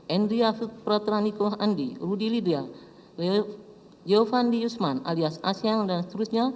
andrea prateraniko andi rudi lidya giovanni yusman alias asyang dan seterusnya